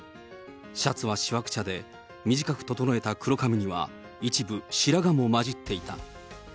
シャツはしわくちゃで、短く整えた黒髪には、一部白髪も交じっていた。